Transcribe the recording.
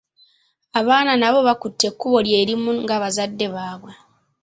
Abaana nabo bakutte ekkubo lye limu nga bazadde baabwe.